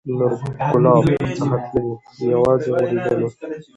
نور ګلاب ورڅخه تللي، دی یوازي غوړېدلی